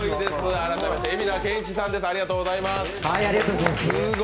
改めまして蛯名健一さんです。